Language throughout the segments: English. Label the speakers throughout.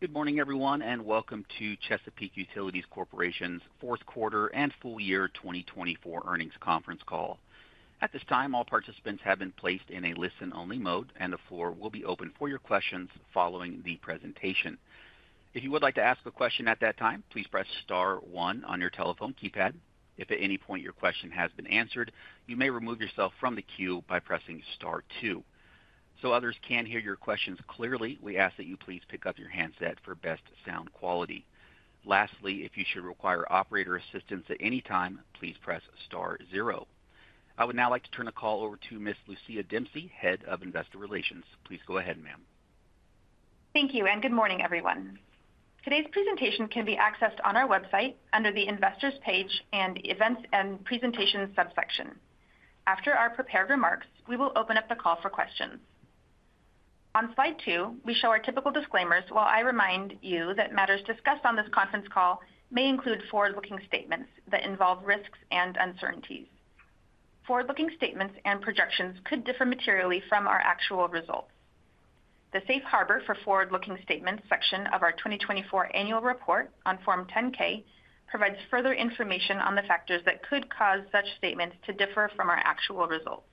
Speaker 1: Good morning, everyone, and welcome to Chesapeake Utilities Corporation's fourth quarter and full year 2024 earnings conference call. At this time, all participants have been placed in a listen-only mode, and the floor will be open for your questions following the presentation. If you would like to ask a question at that time, please press star one on your telephone keypad. If at any point your question has been answered, you may remove yourself from the queue by pressing star two. So others can hear your questions clearly, we ask that you please pick up your handset for best sound quality. Lastly, if you should require operator assistance at any time, please press star zero. I would now like to turn the call over to Ms. Lucia Dempsey, Head of Investor Relations. Please go ahead, ma'am.
Speaker 2: Thank you, and good morning, everyone. Today's presentation can be accessed on our website under the investors page and events and presentations subsection. After our prepared remarks, we will open up the call for questions. On slide two, we show our typical disclaimers while I remind you that matters discussed on this conference call may include forward-looking statements that involve risks and uncertainties. Forward-looking statements and projections could differ materially from our actual results. The safe harbor for forward-looking statements section of our 2024 annual report on Form 10-K provides further information on the factors that could cause such statements to differ from our actual results.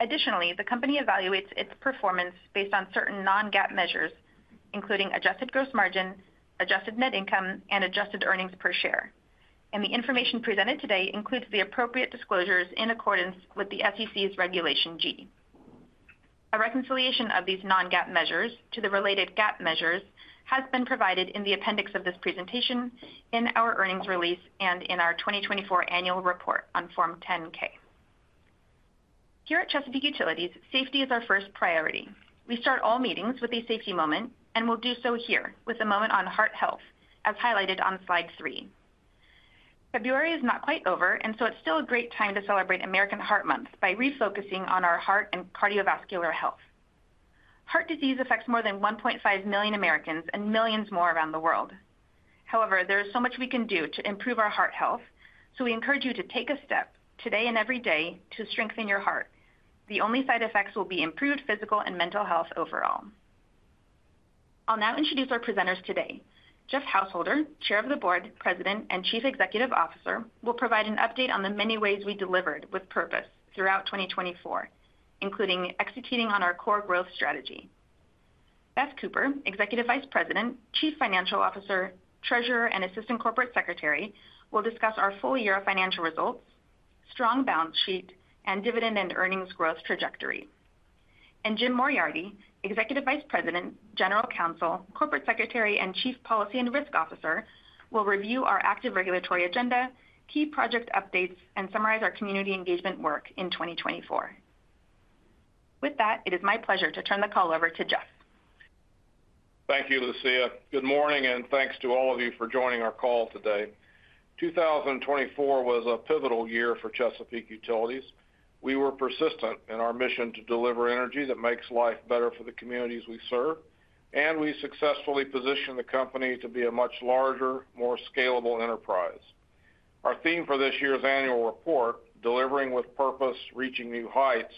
Speaker 2: Additionally, the company evaluates its performance based on certain non-GAAP measures, including Adjusted Gross Margin, Adjusted Net Income, and Adjusted Earnings per Share, and the information presented today includes the appropriate disclosures in accordance with the SEC's Regulation G. A reconciliation of these non-GAAP measures to the related GAAP measures has been provided in the appendix of this presentation, in our earnings release, and in our 2024 annual report on Form 10-K. Here at Chesapeake Utilities, safety is our first priority. We start all meetings with a safety moment, and we'll do so here with a moment on heart health, as highlighted on slide three. February is not quite over, and so it's still a great time to celebrate American Heart Month by refocusing on our heart and cardiovascular health. Heart disease affects more than 1.5 million Americans and millions more around the world. However, there is so much we can do to improve our heart health, so we encourage you to take a step today and every day to strengthen your heart. The only side effects will be improved physical and mental health overall. I'll now introduce our presenters today. Jeff Householder, Chair of the Board, president, and Chief Executive Officer, will provide an update on the many ways we delivered with purpose throughout 2024, including executing on our core growth strategy. Beth Cooper, executive vice president, Chief Financial Officer, treasurer, and assistant corporate secretary, will discuss our full year of financial results, strong balance sheet, and dividend and earnings growth trajectory. And Jim Moriarty, Executive Vice President, General Counsel, Corporate Secretary, and Chief Policy and Risk Officer, will review our active regulatory agenda, key project updates, and summarize our community engagement work in 2024. With that, it is my pleasure to turn the call over to Jeff.
Speaker 3: Thank you, Lucia. Good morning, and thanks to all of you for joining our call today. 2024 was a pivotal year for Chesapeake Utilities. We were persistent in our mission to deliver energy that makes life better for the communities we serve, and we successfully positioned the company to be a much larger, more scalable enterprise. Our theme for this year's annual report, "Delivering with Purpose: Reaching New Heights,"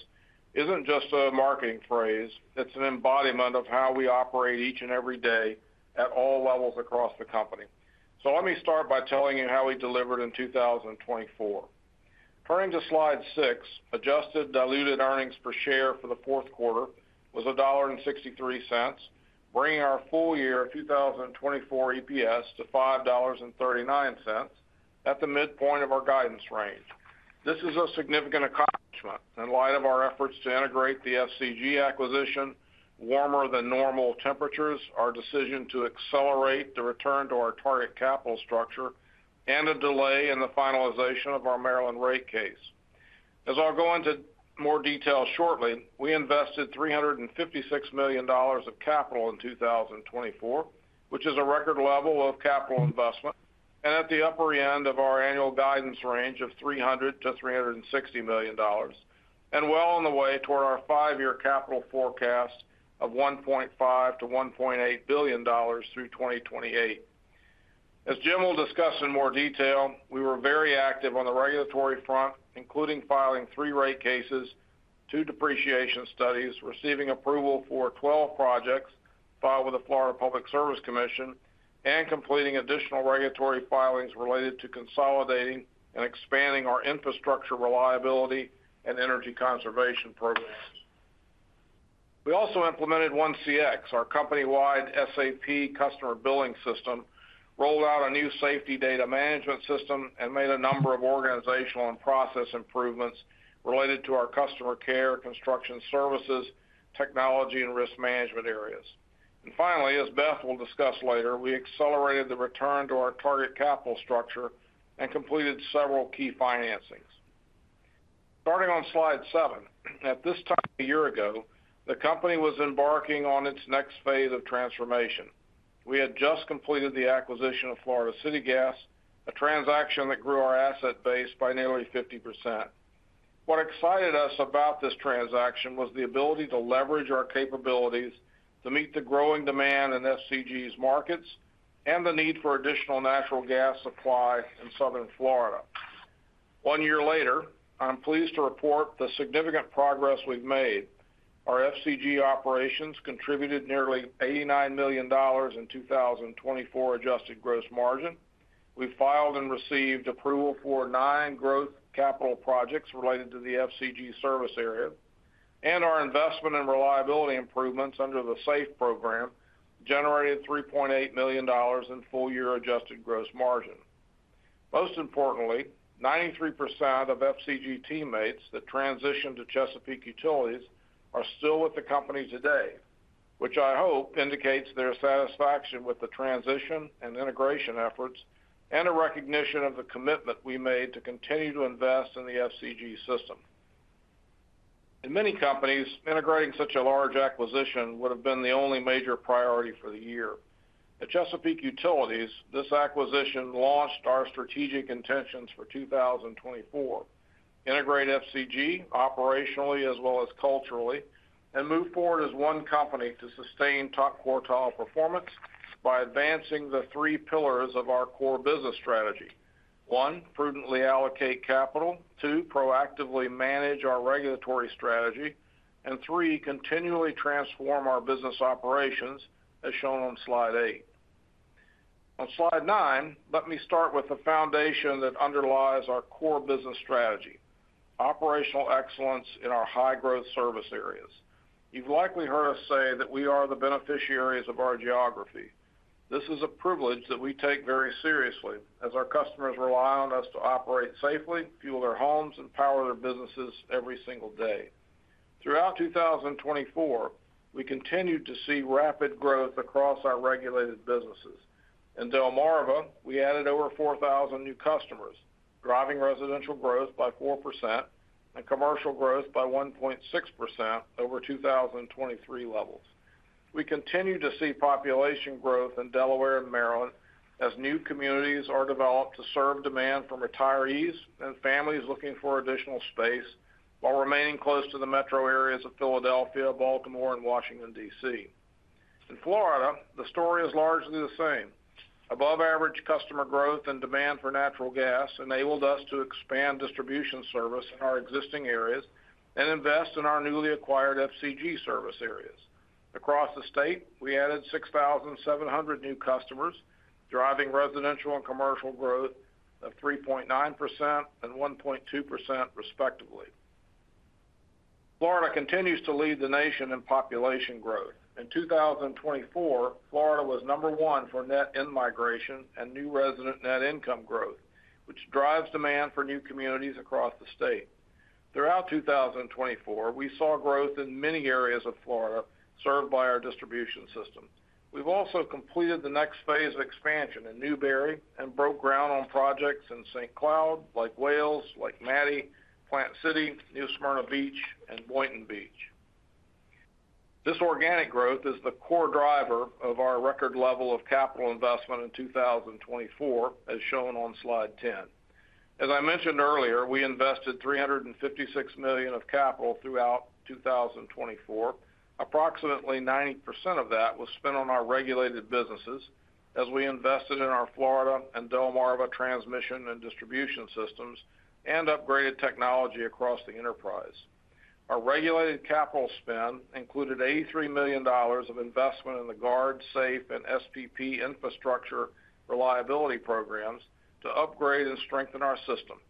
Speaker 3: isn't just a marketing phrase, it's an embodiment of how we operate each and every day at all levels across the company. So let me start by telling you how we delivered in 2024. Turning to slide six, adjusted diluted earnings per share for the fourth quarter was $1.63, bringing our full year 2024 EPS to $5.39 at the midpoint of our guidance range. This is a significant accomplishment in light of our efforts to integrate the FCG acquisition, warmer-than-normal temperatures, our decision to accelerate the return to our target capital structure, and a delay in the finalization of our Maryland rate case. As I'll go into more detail shortly, we invested $356 million of capital in 2024, which is a record level of capital investment, and at the upper end of our annual guidance range of $300-$360 million, and well on the way toward our five-year capital forecast of $1.5-$1.8 billion through 2028. As Jim will discuss in more detail, we were very active on the regulatory front, including filing three rate cases, two depreciation studies, receiving approval for 12 projects filed with the Florida Public Service Commission, and completing additional regulatory filings related to consolidating and expanding our infrastructure reliability and energy conservation programs. We also implemented 1CX, our company-wide SAP customer billing system, rolled out a new safety data management system, and made a number of organizational and process improvements related to our customer care, construction services, technology, and risk management areas. And finally, as Beth will discuss later, we accelerated the return to our target capital structure and completed several key financings. Starting on slide seven, at this time a year ago, the company was embarking on its next phase of transformation. We had just completed the acquisition of Florida City Gas, a transaction that grew our asset base by nearly 50%. What excited us about this transaction was the ability to leverage our capabilities to meet the growing demand in FCG's markets and the need for additional natural gas supply in southern Florida. One year later, I'm pleased to report the significant progress we've made. Our FCG operations contributed nearly $89 million in 2024 Adjusted Gross Margin. We filed and received approval for nine growth capital projects related to the FCG service area, and our investment and reliability improvements under the SAFE program generated $3.8 million in full year Adjusted Gross Margin. Most importantly, 93% of FCG teammates that transitioned to Chesapeake Utilities are still with the company today, which I hope indicates their satisfaction with the transition and integration efforts and a recognition of the commitment we made to continue to invest in the FCG system. In many companies, integrating such a large acquisition would have been the only major priority for the year. At Chesapeake Utilities, this acquisition launched our strategic intentions for 2024: integrate FCG operationally as well as culturally, and move forward as one company to sustain top quartile performance by advancing the three pillars of our core business strategy. One, prudently allocate capital. Two, proactively manage our regulatory strategy. And three, continually transform our business operations, as shown on slide eight. On slide nine, let me start with the foundation that underlies our core business strategy: operational excellence in our high-growth service areas. You've likely heard us say that we are the beneficiaries of our geography. This is a privilege that we take very seriously, as our customers rely on us to operate safely, fuel their homes, and power their businesses every single day. Throughout 2024, we continued to see rapid growth across our regulated businesses. In Delmarva, we added over 4,000 new customers, driving residential growth by 4% and commercial growth by 1.6% over 2023 levels. We continue to see population growth in Delaware and Maryland as new communities are developed to serve demand from retirees and families looking for additional space while remaining close to the metro areas of Philadelphia, Baltimore, and Washington, D.C. In Florida, the story is largely the same. Above-average customer growth and demand for natural gas enabled us to expand distribution service in our existing areas and invest in our newly acquired FCG service areas. Across the state, we added 6,700 new customers, driving residential and commercial growth of 3.9% and 1.2%, respectively. Florida continues to lead the nation in population growth. In 2024, Florida was number one for net in-migration and new resident net income growth, which drives demand for new communities across the state. Throughout 2024, we saw growth in many areas of Florida served by our distribution system. We've also completed the next phase of expansion in Newberry and broke ground on projects in St. Cloud, Lake Wales, Lake Mattie, Plant City, New Smyrna Beach, and Boynton Beach. This organic growth is the core driver of our record level of capital investment in 2024, as shown on slide 10. As I mentioned earlier, we invested $356 million of capital throughout 2024. Approximately 90% of that was spent on our regulated businesses, as we invested in our Florida and Delmarva transmission and distribution systems and upgraded technology across the enterprise. Our regulated capital spend included $83 million of investment in the GUARD, SAFE, and SPP infrastructure reliability programs to upgrade and strengthen our system,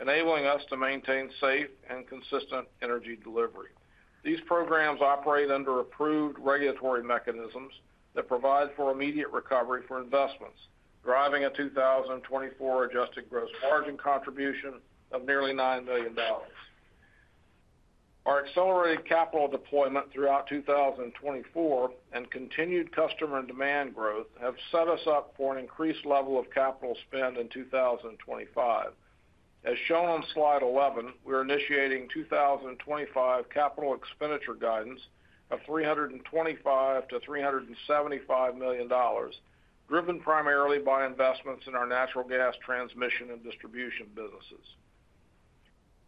Speaker 3: enabling us to maintain safe and consistent energy delivery. These programs operate under approved regulatory mechanisms that provide for immediate recovery for investments, driving a 2024 Adjusted Gross Margin contribution of nearly $9 million. Our accelerated capital deployment throughout 2024 and continued customer and demand growth have set us up for an increased level of capital spend in 2025. As shown on slide 11, we're initiating 2025 capital expenditure guidance of $325-$375 million, driven primarily by investments in our natural gas transmission and distribution businesses.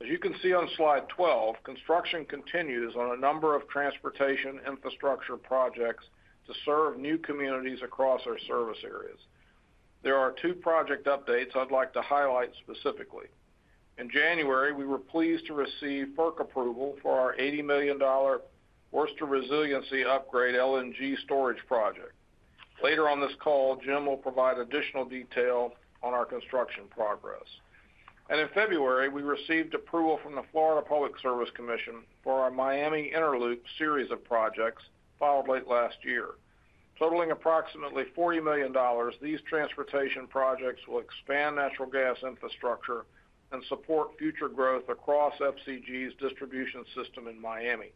Speaker 3: As you can see on slide 12, construction continues on a number of transportation infrastructure projects to serve new communities across our service areas. There are two project updates I'd like to highlight specifically. In January, we were pleased to receive FERC approval for our $80 million Worcester Resiliency Upgrade LNG storage project. Later on this call, Jim will provide additional detail on our construction progress. And in February, we received approval from the Florida Public Service Commission for our Miami Inner Loop series of projects filed late last year. Totaling approximately $40 million, these transportation projects will expand natural gas infrastructure and support future growth across FCG's distribution system in Miami.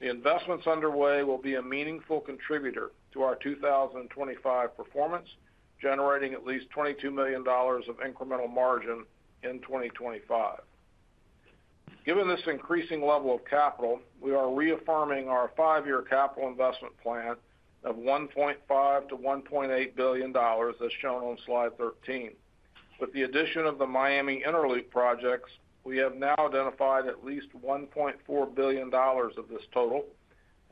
Speaker 3: The investments underway will be a meaningful contributor to our 2025 performance, generating at least $22 million of incremental margin in 2025. Given this increasing level of capital, we are reaffirming our five-year capital investment plan of $1.5-$1.8 billion, as shown on slide 13. With the addition of the Miami Inner Loop projects, we have now identified at least $1.4 billion of this total,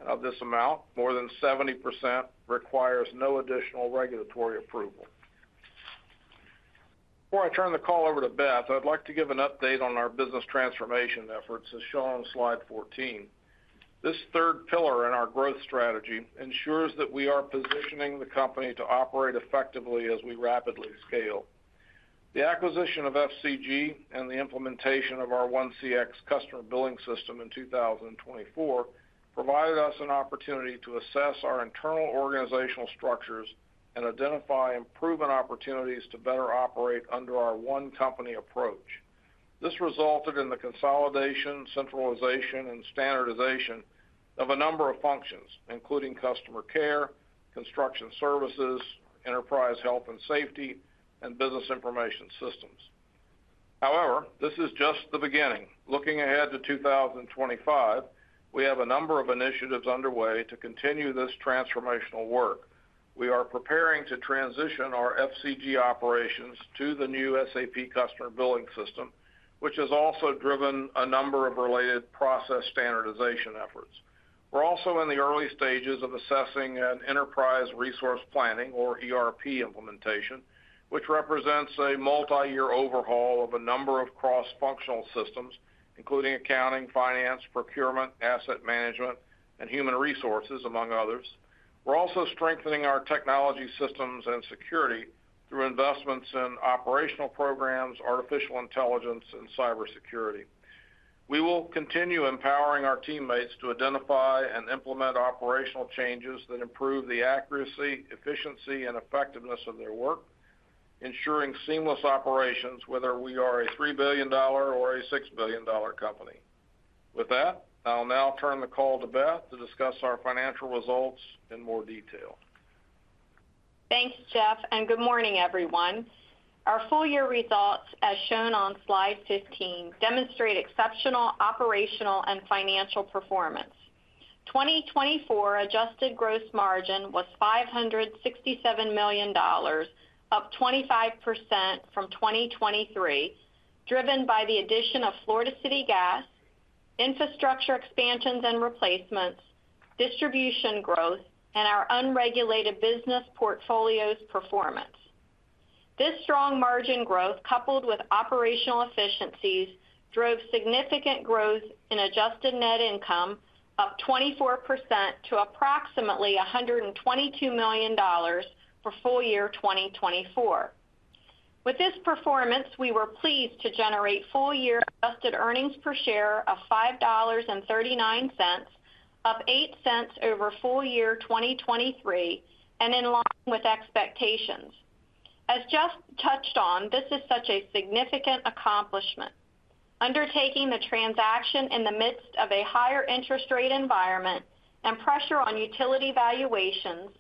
Speaker 3: and of this amount, more than 70% requires no additional regulatory approval. Before I turn the call over to Beth, I'd like to give an update on our business transformation efforts, as shown on slide 14. This third pillar in our growth strategy ensures that we are positioning the company to operate effectively as we rapidly scale. The acquisition of FCG and the implementation of our 1CX customer billing system in 2024 provided us an opportunity to assess our internal organizational structures and identify improvement opportunities to better operate under our one company approach. This resulted in the consolidation, centralization, and standardization of a number of functions, including customer care, construction services, enterprise health and safety, and business information systems. However, this is just the beginning. Looking ahead to 2025, we have a number of initiatives underway to continue this transformational work. We are preparing to transition our FCG operations to the new SAP customer billing system, which has also driven a number of related process standardization efforts. We're also in the early stages of assessing an enterprise resource planning, or ERP, implementation, which represents a multi-year overhaul of a number of cross-functional systems, including accounting, finance, procurement, asset management, and human resources, among others. We're also strengthening our technology systems and security through investments in operational programs, artificial intelligence, and cybersecurity. We will continue empowering our teammates to identify and implement operational changes that improve the accuracy, efficiency, and effectiveness of their work, ensuring seamless operations, whether we are a $3 billion or a $6 billion company. With that, I'll now turn the call to Beth to discuss our financial results in more detail.
Speaker 4: Thanks, Jeff, and good morning, everyone. Our full year results, as shown on slide 15, demonstrate exceptional operational and financial performance. 2024 Adjusted Gross Margin was $567 million, up 25% from 2023, driven by the addition of Florida City Gas, infrastructure expansions and replacements, distribution growth, and our unregulated business portfolio's performance. This strong margin growth, coupled with operational efficiencies, drove significant growth in Adjusted Net Income, up 24% to approximately $122 million for full year 2024. With this performance, we were pleased to generate full year Adjusted Earnings per share of $5.39, up $0.08 over full year 2023, and in line with expectations. As Jeff touched on, this is such a significant accomplishment. Undertaking the transaction in the midst of a higher interest rate environment and pressure on utility valuations,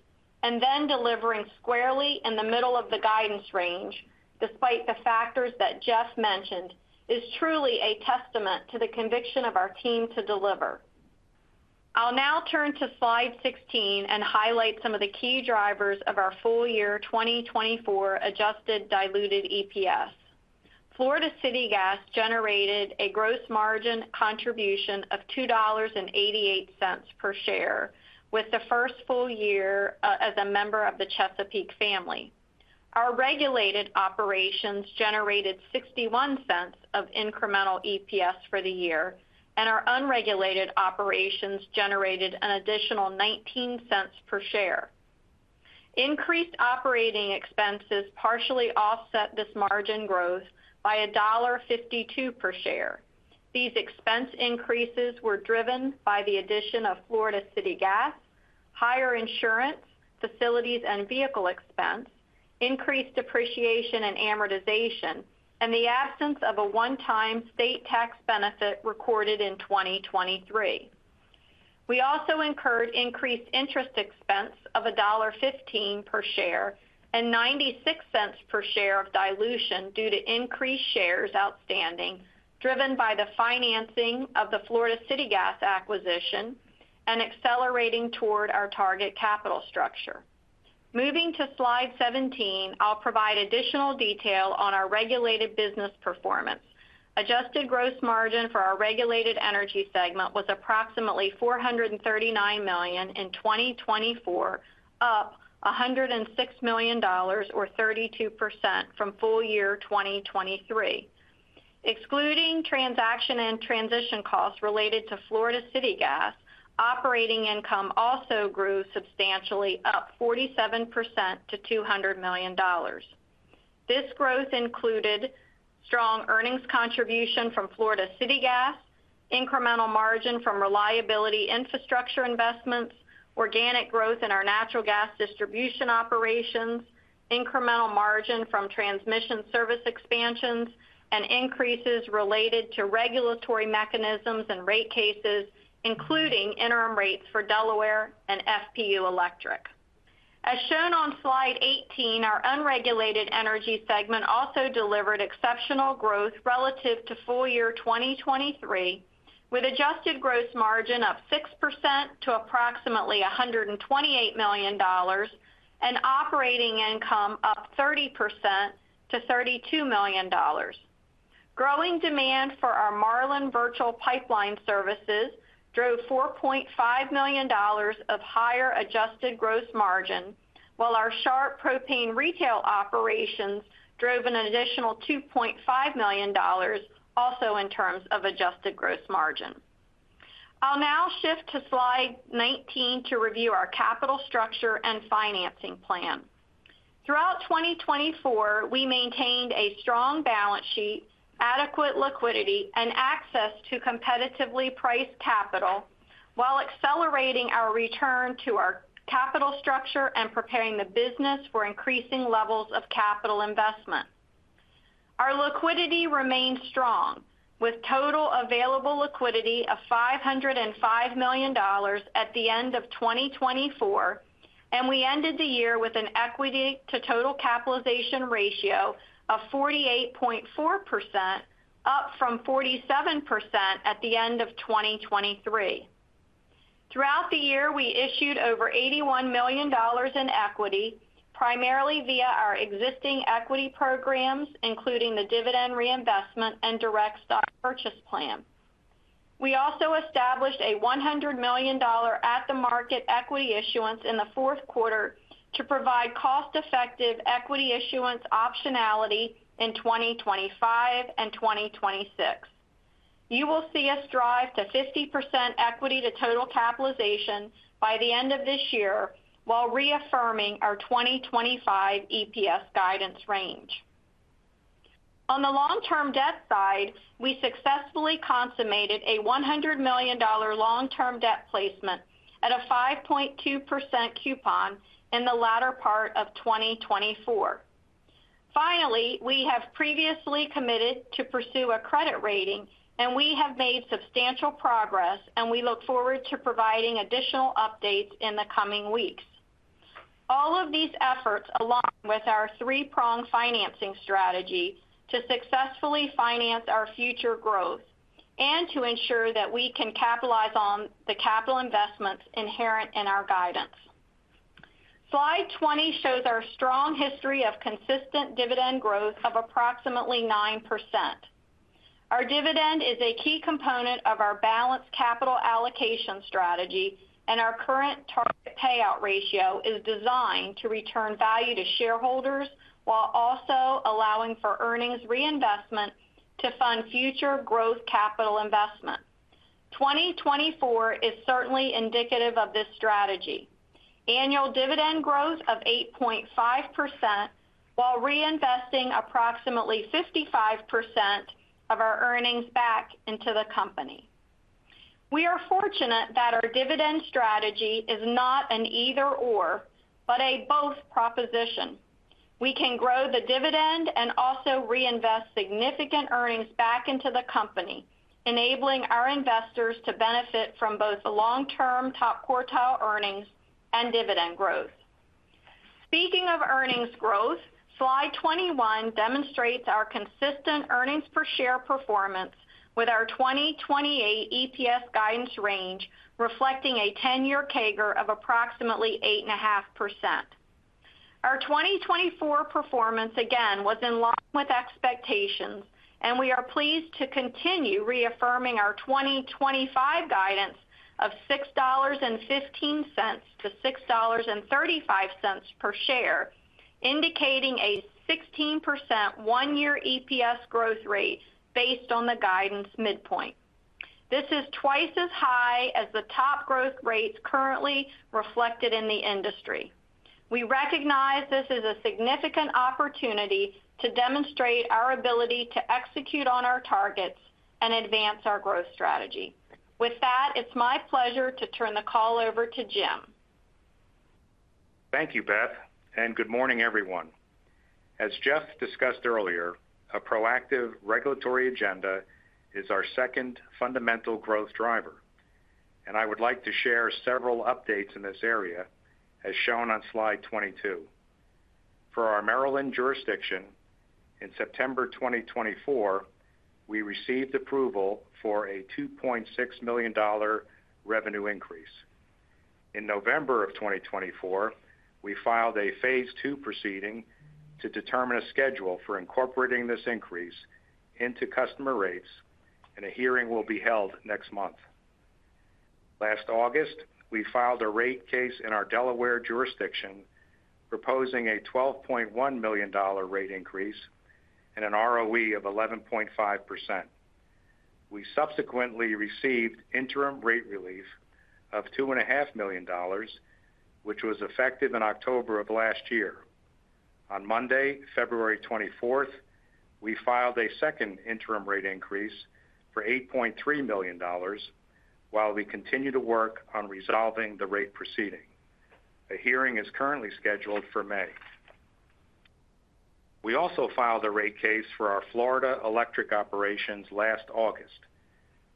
Speaker 4: and then delivering squarely in the middle of the guidance range, despite the factors that Jeff mentioned, is truly a testament to the conviction of our team to deliver. I'll now turn to slide 16 and highlight some of the key drivers of our full year 2024 adjusted diluted EPS. Florida City Gas generated a gross margin contribution of $2.88 per share with the first full year as a member of the Chesapeake family. Our regulated operations generated $0.61 of incremental EPS for the year, and our unregulated operations generated an additional $0.19 per share. Increased operating expenses partially offset this margin growth by $1.52 per share. These expense increases were driven by the addition of Florida City Gas, higher insurance, facilities, and vehicle expense, increased depreciation and amortization, and the absence of a one-time state tax benefit recorded in 2023. We also incurred increased interest expense of $1.15 per share and $0.96 per share of dilution due to increased shares outstanding, driven by the financing of the Florida City Gas acquisition and accelerating toward our target capital structure. Moving to slide 17, I'll provide additional detail on our regulated business performance. Adjusted Gross Margin for our regulated energy segment was approximately $439 million in 2024, up $106 million, or 32%, from full year 2023. Excluding transaction and transition costs related to Florida City Gas, operating income also grew substantially, up 47% to $200 million. This growth included strong earnings contribution from Florida City Gas, incremental margin from reliability infrastructure investments, organic growth in our natural gas distribution operations, incremental margin from transmission service expansions, and increases related to regulatory mechanisms and rate cases, including interim rates for Delaware and FPU Electric. As shown on slide 18, our unregulated energy segment also delivered exceptional growth relative to full year 2023, with Adjusted Gross Margin up 6% to approximately $128 million and operating income up 30% to $32 million. Growing demand for our Marlin Virtual Pipeline Services drove $4.5 million of higher Adjusted Gross Margin, while our Sharp Energy Propane retail operations drove an additional $2.5 million, also in terms of Adjusted Gross Margin. I'll now shift to slide 19 to review our capital structure and financing plan. Throughout 2024, we maintained a strong balance sheet, adequate liquidity, and access to competitively priced capital, while accelerating our return to our capital structure and preparing the business for increasing levels of capital investment. Our liquidity remained strong, with total available liquidity of $505 million at the end of 2024, and we ended the year with an equity-to-total capitalization ratio of 48.4%, up from 47% at the end of 2023. Throughout the year, we issued over $81 million in equity, primarily via our existing equity programs, including the dividend reinvestment and direct stock purchase plan. We also established a $100 million at-the-market equity issuance in the fourth quarter to provide cost-effective equity issuance optionality in 2025 and 2026. You will see us drive to 50% equity-to-total capitalization by the end of this year, while reaffirming our 2025 EPS guidance range. On the long-term debt side, we successfully consummated a $100 million long-term debt placement at a 5.2% coupon in the latter part of 2024. Finally, we have previously committed to pursue a credit rating, and we have made substantial progress, and we look forward to providing additional updates in the coming weeks. All of these efforts align with our three-pronged financing strategy to successfully finance our future growth and to ensure that we can capitalize on the capital investments inherent in our guidance. Slide 20 shows our strong history of consistent dividend growth of approximately 9%. Our dividend is a key component of our balanced capital allocation strategy, and our current target payout ratio is designed to return value to shareholders while also allowing for earnings reinvestment to fund future growth capital investment. 2024 is certainly indicative of this strategy: annual dividend growth of 8.5%, while reinvesting approximately 55% of our earnings back into the company. We are fortunate that our dividend strategy is not an either/or, but a both proposition. We can grow the dividend and also reinvest significant earnings back into the company, enabling our investors to benefit from both long-term top quartile earnings and dividend growth. Speaking of earnings growth, slide 21 demonstrates our consistent earnings per share performance, with our 2028 EPS guidance range reflecting a 10-year CAGR of approximately 8.5%. Our 2024 performance, again, was in line with expectations, and we are pleased to continue reaffirming our 2025 guidance of $6.15-$6.35 per share, indicating a 16% one-year EPS growth rate based on the guidance midpoint. This is twice as high as the top growth rates currently reflected in the industry. We recognize this is a significant opportunity to demonstrate our ability to execute on our targets and advance our growth strategy. With that, it's my pleasure to turn the call over to Jim.
Speaker 5: Thank you, Beth, and good morning, everyone. As Jeff discussed earlier, a proactive regulatory agenda is our second fundamental growth driver, and I would like to share several updates in this area, as shown on slide 22. For our Maryland jurisdiction, in September 2024, we received approval for a $2.6 million revenue increase. In November of 2024, we filed a Phase 2 proceeding to determine a schedule for incorporating this increase into customer rates, and a hearing will be held next month. Last August, we filed a rate case in our Delaware jurisdiction, proposing a $12.1 million rate increase and an ROE of 11.5%. We subsequently received interim rate relief of $2.5 million, which was effective in October of last year. On Monday, February 24th, we filed a second interim rate increase for $8.3 million, while we continue to work on resolving the rate proceeding. A hearing is currently scheduled for May. We also filed a rate case for our Florida Electric operations last August,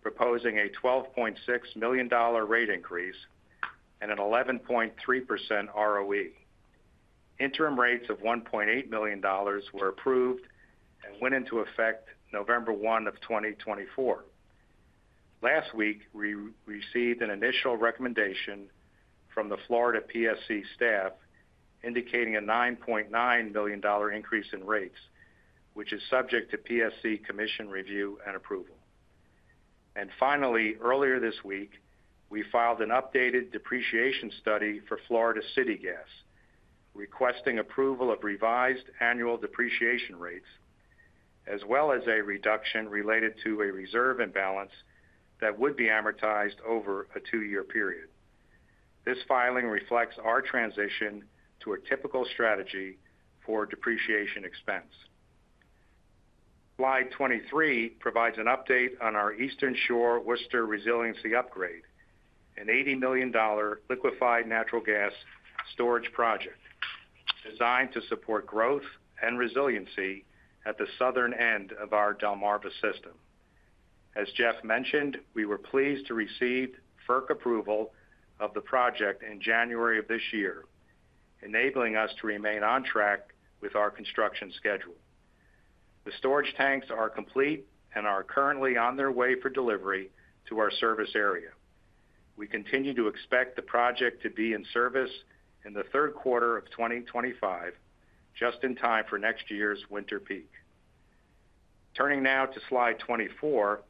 Speaker 5: proposing a $12.6 million rate increase and an 11.3% ROE. Interim rates of $1.8 million were approved and went into effect November 1 of 2024. Last week, we received an initial recommendation from the Florida PSC staff, indicating a $9.9 million increase in rates, which is subject to PSC commission review and approval, and finally, earlier this week, we filed an updated depreciation study for Florida City Gas, requesting approval of revised annual depreciation rates, as well as a reduction related to a reserve imbalance that would be amortized over a two-year period. This filing reflects our transition to a typical strategy for depreciation expense. Slide 23 provides an update on our Eastern Shore Worcester resiliency upgrade, an $80 million liquefied natural gas storage project designed to support growth and resiliency at the southern end of our Delmarva system. As Jeff mentioned, we were pleased to receive FERC approval of the project in January of this year, enabling us to remain on track with our construction schedule. The storage tanks are complete and are currently on their way for delivery to our service area. We continue to expect the project to be in service in the third quarter of 2025, just in time for next year's winter peak. Turning now to slide 24,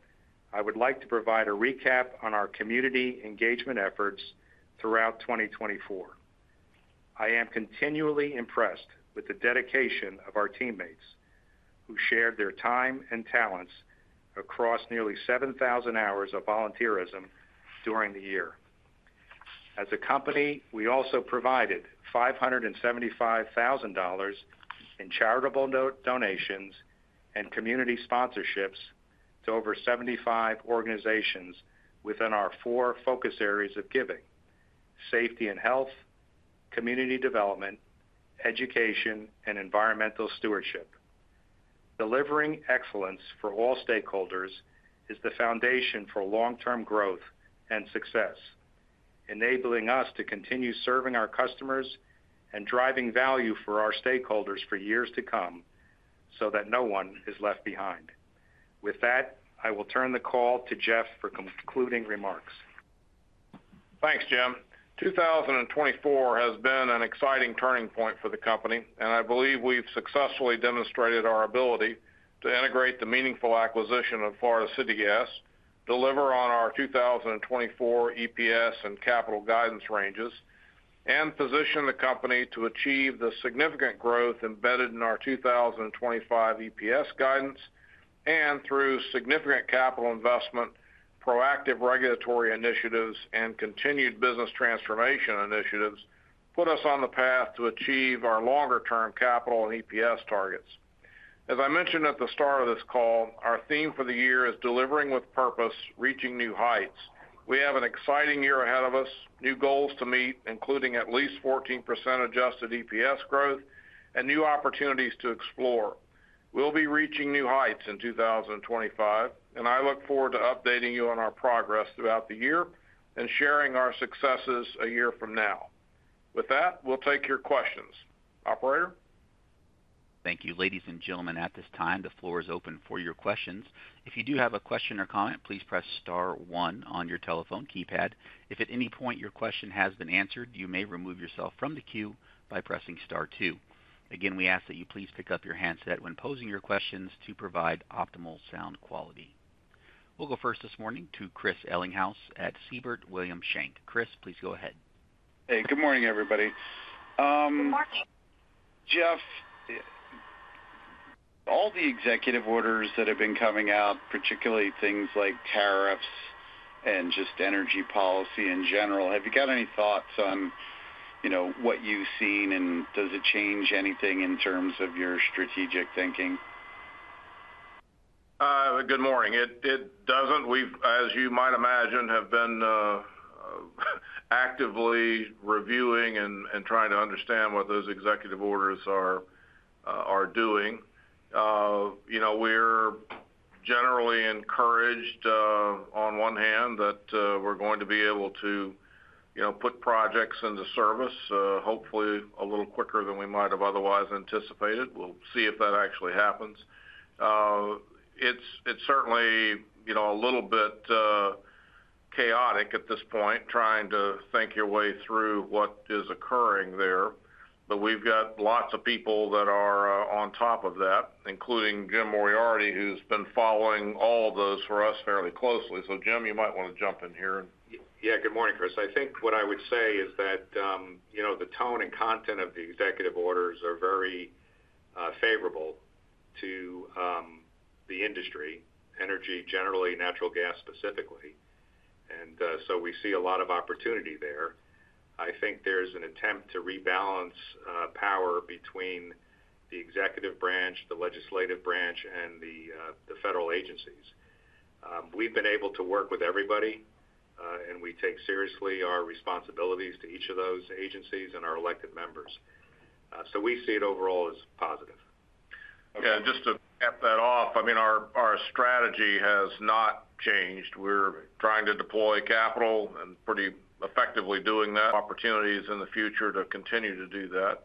Speaker 5: I would like to provide a recap on our community engagement efforts throughout 2024. I am continually impressed with the dedication of our teammates, who shared their time and talents across nearly 7,000 hours of volunteerism during the year. As a company, we also provided $575,000 in charitable donations and community sponsorships to over 75 organizations within our four focus areas of giving: safety and health, community development, education, and environmental stewardship. Delivering excellence for all stakeholders is the foundation for long-term growth and success, enabling us to continue serving our customers and driving value for our stakeholders for years to come so that no one is left behind. With that, I will turn the call to Jeff for concluding remarks.
Speaker 3: Thanks, Jim. 2024 has been an exciting turning point for the company, and I believe we've successfully demonstrated our ability to integrate the meaningful acquisition of Florida City Gas, deliver on our 2024 EPS and capital guidance ranges, and position the company to achieve the significant growth embedded in our 2025 EPS guidance, and through significant capital investment, proactive regulatory initiatives, and continued business transformation initiatives, put us on the path to achieve our longer-term capital and EPS targets. As I mentioned at the start of this call, our theme for the year is "Delivering with Purpose: Reaching New Heights." We have an exciting year ahead of us, new goals to meet, including at least 14% Adjusted EPS growth and new opportunities to explore. We'll be reaching new heights in 2025, and I look forward to updating you on our progress throughout the year and sharing our successes a year from now. With that, we'll take your questions. Operator?
Speaker 1: Thank you. Ladies and gentlemen, at this time, the floor is open for your questions. If you do have a question or comment, please press star one on your telephone keypad. If at any point your question has been answered, you may remove yourself from the queue by pressing star two. Again, we ask that you please pick up your handset when posing your questions to provide optimal sound quality. We'll go first this morning to Chris Ellinghaus at Siebert Williams Shank. Chris, please go ahead.
Speaker 6: Hey, good morning, everybody. Good morning. Jeff, all the executive orders that have been coming out, particularly things like tariffs and just energy policy in general, have you got any thoughts on what you've seen, and does it change anything in terms of your strategic thinking?
Speaker 3: Good morning. It doesn't. As you might imagine, I have been actively reviewing and trying to understand what those executive orders are doing. We're generally encouraged, on one hand, that we're going to be able to put projects into service, hopefully a little quicker than we might have otherwise anticipated. We'll see if that actually happens. It's certainly a little bit chaotic at this point, trying to think your way through what is occurring there, but we've got lots of people that are on top of that, including Jim Moriarty, who's been following all of those for us fairly closely. So Jim, you might want to jump in here.
Speaker 5: Yeah, good morning, Chris. I think what I would say is that the tone and content of the executive orders are very favorable to the industry, energy generally, natural gas specifically. And so we see a lot of opportunity there. I think there's an attempt to rebalance power between the executive branch, the legislative branch, and the federal agencies. We've been able to work with everybody, and we take seriously our responsibilities to each of those agencies and our elected members. So we see it overall as positive.
Speaker 3: Yeah, just to wrap that up, I mean, our strategy has not changed. We're trying to deploy capital and pretty effectively doing that. Opportunities in the future to continue to do that.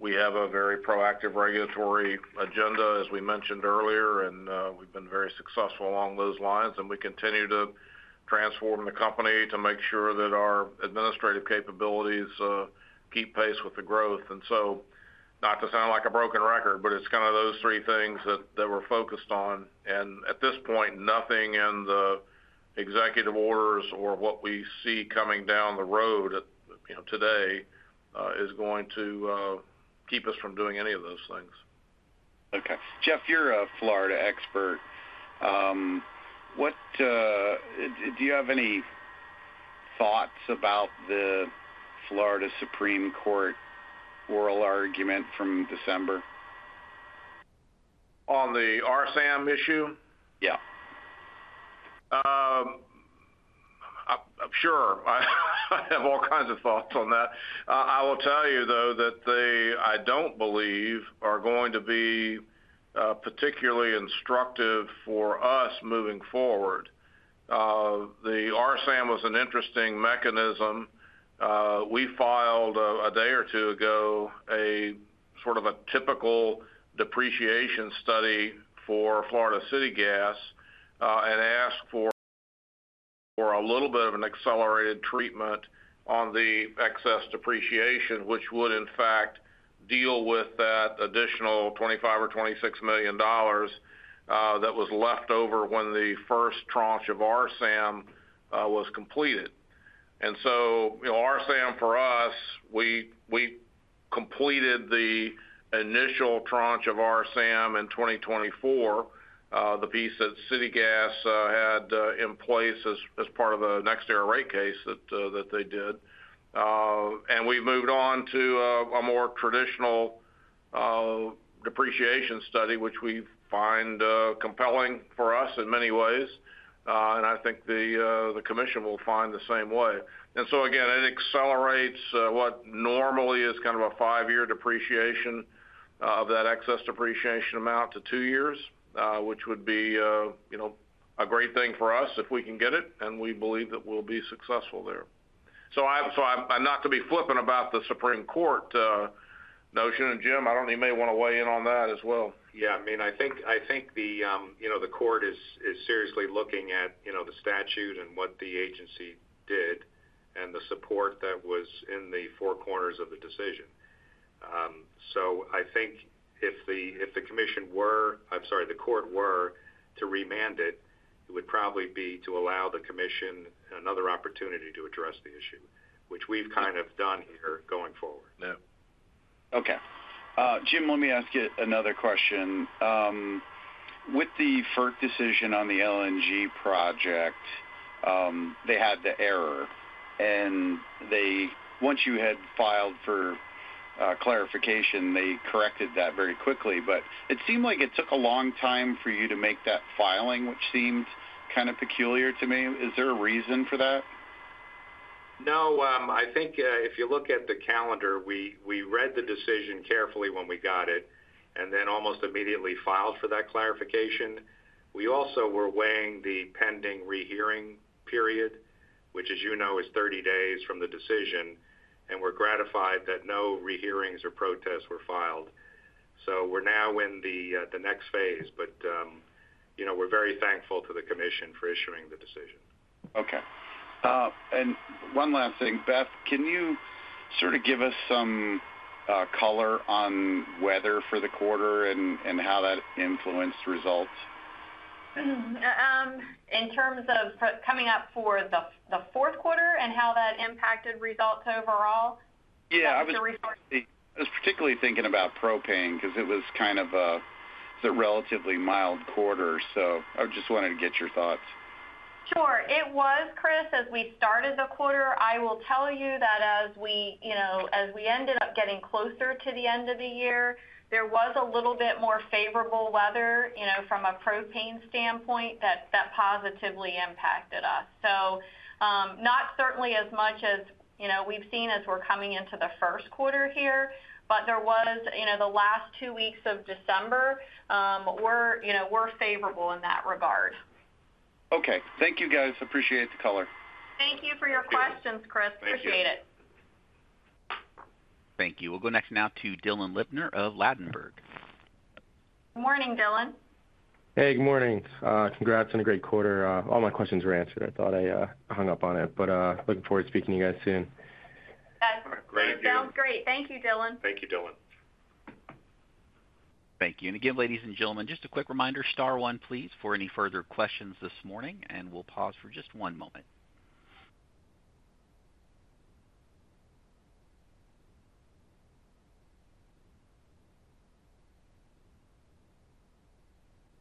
Speaker 3: We have a very proactive regulatory agenda, as we mentioned earlier, and we've been very successful along those lines. And we continue to transform the company to make sure that our administrative capabilities keep pace with the growth. And so not to sound like a broken record, but it's kind of those three things that we're focused on. And at this point, nothing in the executive orders or what we see coming down the road today is going to keep us from doing any of those things.
Speaker 6: Okay. Jeff, you're a Florida expert. Do you have any thoughts about the Florida Supreme Court oral argument from December? On the RSAM issue?
Speaker 3: Yeah. Sure. I have all kinds of thoughts on that. I will tell you, though, that I don't believe are going to be particularly instructive for us moving forward. The RSAM was an interesting mechanism. We filed a day or two ago a sort of a typical depreciation study for Florida City Gas and asked for a little bit of an accelerated treatment on the excess depreciation, which would, in fact, deal with that additional $25-$26 million that was left over when the first tranche of RSAM was completed. And so RSAM, for us, we completed the initial tranche of RSAM in 2024, the piece that City Gas had in place as part of the NextEra rate case that they did. And we've moved on to a more traditional depreciation study, which we find compelling for us in many ways. And I think the commission will find the same way. And so again, it accelerates what normally is kind of a five-year depreciation of that excess depreciation amount to two years, which would be a great thing for us if we can get it, and we believe that we'll be successful there. So not to be flippant about the Supreme Court notion. And Jim, I don't know if you may want to weigh in on that as well.
Speaker 5: Yeah. I mean, I think the court is seriously looking at the statute and what the agency did and the support that was in the four corners of the decision. So I think if the commission were. I'm sorry, the court were to remand it, it would probably be to allow the commission another opportunity to address the issue, which we've kind of done here going forward. Yeah.
Speaker 6: Okay. Jim, let me ask you another question. With the FERC decision on the LNG project, they had the error, and once you had filed for clarification, they corrected that very quickly, but it seemed like it took a long time for you to make that filing, which seemed kind of peculiar to me. Is there a reason for that?
Speaker 5: No. I think if you look at the calendar, we read the decision carefully when we got it and then almost immediately filed for that clarification. We also were weighing the pending rehearing period, which, as you know, is 30 days from the decision, and we're gratified that no rehearings or protests were filed, so we're now in the next phase, but we're very thankful to the commission for issuing the decision.
Speaker 6: Okay, and one last thing, Beth, can you sort of give us some color on weather for the quarter and how that influenced results?
Speaker 4: In terms of coming up for the fourth quarter and how that impacted results overall?
Speaker 6: Yeah. I was particularly thinking about propane because it was kind of a relatively mild quarter. So I just wanted to get your thoughts.
Speaker 4: Sure. It was, Chris, as we started the quarter. I will tell you that as we ended up getting closer to the end of the year, there was a little bit more favorable weather from a propane standpoint that positively impacted us. So not certainly as much as we've seen as we're coming into the first quarter here, but there was the last two weeks of December were favorable in that regard.
Speaker 6: Okay. Thank you, guys. Appreciate the color.
Speaker 4: Thank you for your questions, Chris. Appreciate it.
Speaker 1: Thank you. We'll go next now to Dylan Lipner of Ladenburg.
Speaker 4: Good morning, Dylan.
Speaker 7: Hey, good morning. Congrats on a great quarter. All my questions were answered. I thought I hung up on it, but looking forward to speaking to you guys soon.
Speaker 4: That sounds great. Thank you, Dylan.
Speaker 3: Thank you, Dylan.
Speaker 1: Thank you. And again, ladies and gentlemen, just a quick reminder, star one, please, for any further questions this morning, and we'll pause for just one moment.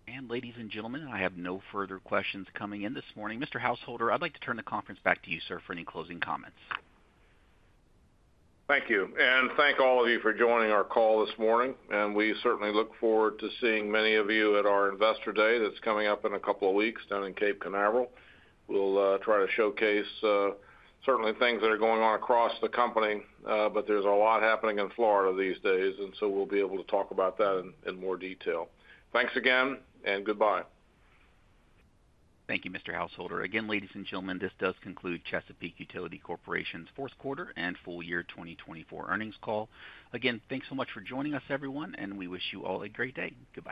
Speaker 1: And ladies and gentlemen, I have no further questions coming in this morning. Mr. Householder, I'd like to turn the conference back to you, sir, for any closing comments.
Speaker 3: Thank you and thank all of you for joining our call this morning. We certainly look forward to seeing many of you at our Investor Day that's coming up in a couple of weeks down in Cape Canaveral. We'll try to showcase certainly things that are going on across the company, but there's a lot happening in Florida these days, and so we'll be able to talk about that in more detail. Thanks again and goodbye.
Speaker 1: Thank you, Mr. Householder. Again, ladies and gentlemen, this does conclude Chesapeake Utilities Corporation's fourth quarter and full year 2024 earnings call. Again, thanks so much for joining us, everyone, and we wish you all a great day. Goodbye.